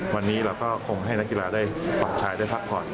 วันนี้เราก็คงให้นักกีฬาได้ปรับใช้ได้พักผ่อน